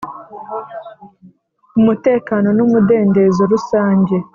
umutekano n’ umudendezo rusange.